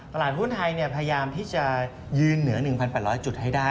ตลาดหุ้นไทยพยายามที่จะยืนเหนือ๑๘๐๐จุดให้ได้